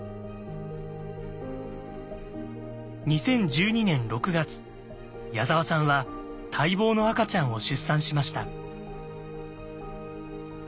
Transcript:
２０１２年６月矢沢さんは待望の赤ちゃんを出産しました。